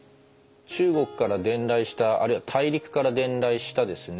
中国から伝来したあるいは大陸から伝来したですね